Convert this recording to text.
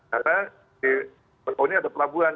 karena di pelauhuni ada pelabuhan